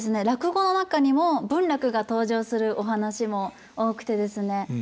落語の中にも文楽が登場するお噺も多くてですね